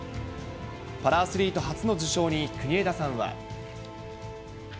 パラアスリート初の受賞に国枝さんは。